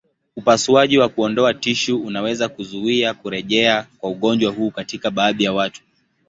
Upasuaji wa kuondoa tishu unaweza kuzuia kurejea kwa ugonjwa huu katika baadhi ya watu.